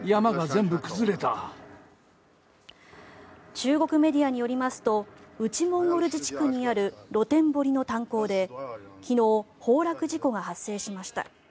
中国メディアによりますと内モンゴル自治区にある露天掘りの炭鉱で昨日、崩落事故が発生しました。